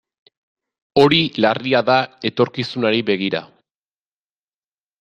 Hori larria da etorkizunari begira.